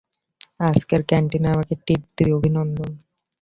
আজকে ক্যান্টিনে আমাকে ট্রিট দিবি -অভিনন্দন!